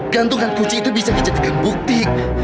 gantuan kunci itu bisa dijadikan bukti